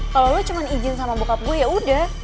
kalau lo cuma izin sama bokap gue yaudah